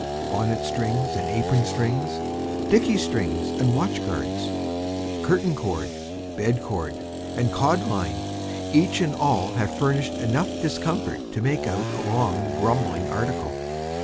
Bonnet strings and apron strings, dickey strings and watch guards, curtain cord, bed cord, and cod line, each and all have furnished enough discomfort to make out a long grumbling article.